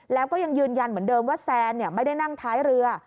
แล้วก็ยังยืนยันเหมือนเดิมว่าแซนไม่ได้นั่งท้ายเรือ